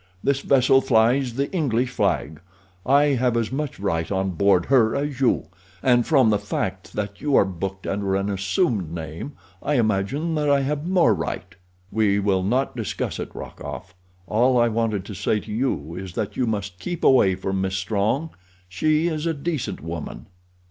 This vessel flies the English flag. I have as much right on board her as you, and from the fact that you are booked under an assumed name I imagine that I have more right." "We will not discuss it, Rokoff. All I wanted to say to you is that you must keep away from Miss Strong—she is a decent woman."